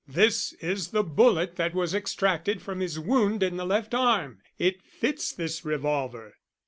This is the bullet that was extracted from his wound in the left arm. It fits this revolver."